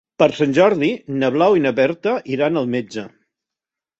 Per Sant Jordi na Blau i na Berta iran al metge.